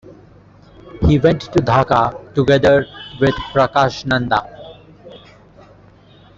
He went to dhaka together with Prakashananda.